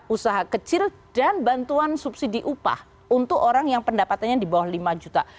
usaha kecil dan bantuan subsidi upah untuk orang yang pendapatannya di bawah lima juta